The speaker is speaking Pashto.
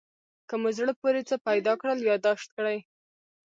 که مو زړه پورې څه پیدا کړل یادداشت کړئ.